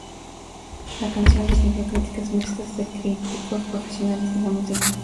La canción recibió críticas mixtas de críticos profesionales de la música.